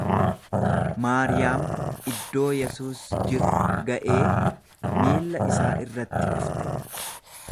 Maariyaam iddoo Yesuus jiru ga'ee miilla isaa irratti kufte.